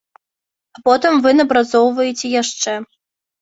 А потым вы напрацоўваеце яшчэ.